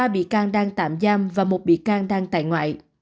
ba bị can đang tạm giam và một bị can đang tại ngoại